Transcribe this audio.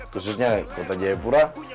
khususnya kota jayapura